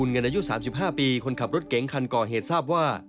เงินอายุ๓๕ปีคนขับรถเก๋งคันก่อเหตุทราบว่า